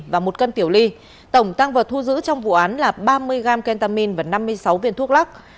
và một cân tiểu ly tổng tăng vật thu giữ trong vụ án là ba mươi gram kentamin và năm mươi sáu viên thuốc lắc